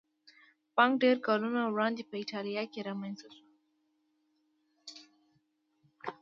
بانک ډېر کلونه وړاندې په ایټالیا کې رامنځته شو